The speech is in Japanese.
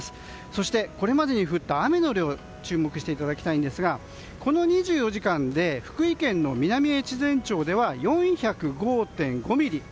そしてこれまでに降った雨の量に注目していただきたいんですがこの２４時間で福井県の南越前町では４０５．５ミリ。